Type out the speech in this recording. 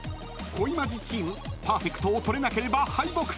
［恋マジチームパーフェクトを取れなければ敗北］